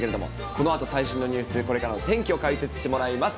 このあと最新のニュース、これからの天気を解説してもらいます。